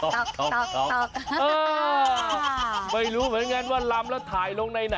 ไม่รู้เหมือนงั้นว่าลำแล้วถ่ายลงไหน